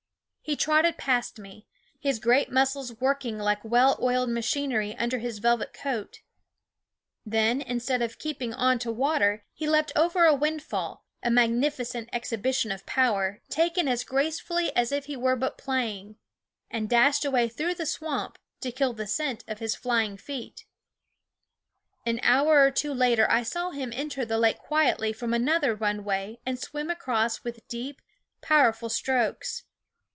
He trotted past me, his great muscles working like well oiled machinery under his velvet coat ; then, instead of keep ing on to water, he leaped over a windfall a magnificent exhibition of power, taken as gracefully as if he were but playing and dashed away through the swamp, to kill the scent of his flying feet. An hour or two later I saw him enter the lake quietly from another runway and swim across with deep, powerful strokes.